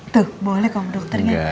tuh boleh kamu dokter